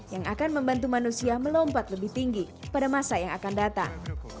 yang akan membantu manusia melompat lebih tinggi pada masa yang akan datang